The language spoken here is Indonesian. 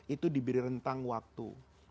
itu diberi rentang waktu